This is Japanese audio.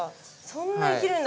そんな生きるんだ。